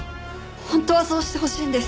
本当はそうしてほしいんです。